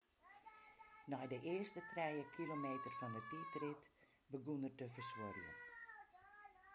Nei de earste trije kilometer fan 'e tiidrit begûn er te fersuorjen.